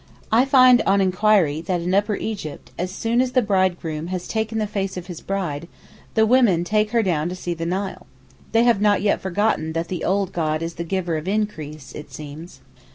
I find, on inquiry, that in Upper Egypt, as soon as the bridegroom has 'taken the face' of his bride, the women take her down to 'see the Nile.' They have not yet forgotten that the old god is the giver of increase, it seems.